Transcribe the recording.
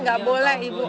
gak boleh ibu